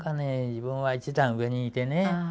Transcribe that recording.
自分は一段上にいてね